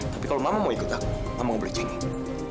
tapi kalau mama mau ikut aku mama mau beli jenis